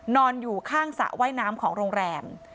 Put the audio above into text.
นอนอยู่ข้างสระว่ายน้ำของโรงแรม